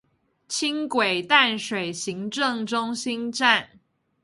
輕軌淡水行政中心站